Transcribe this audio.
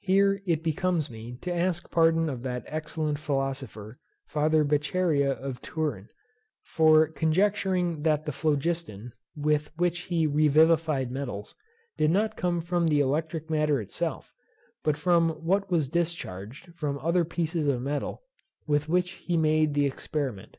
Here it becomes me to ask pardon of that excellent philosopher Father Beccaria of Turin, for conjecturing that the phlogiston, with which he revivified metals, did not come from the electric matter itself, but from what was discharged from other pieces of metal with which he made the experiment.